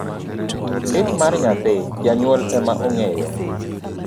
Lit mar nyathi, janyuol ema ong'eyo.